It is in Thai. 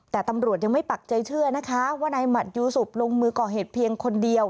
แต่ตำรวจยังไม่ปักใจเชื่อนะคะว่านายหมัดยูสุปลงมือก่อเหตุเพียงคนเดียว